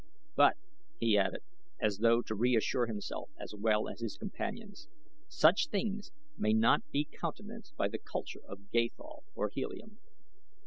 But," he added, as though to reassure himself as well as his companions, "such things may not be countenanced by the culture of Gathol or Helium."